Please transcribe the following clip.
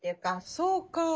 そうか。